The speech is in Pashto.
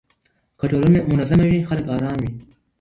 که ټولنه منظمه وي خلګ آرام وي.